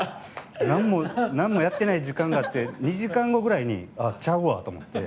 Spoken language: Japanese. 何もやってない時間があって２時間後ぐらいにちゃうわ！と思って。